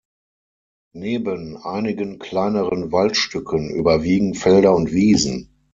Neben einigen kleineren Waldstücken überwiegen Felder und Wiesen.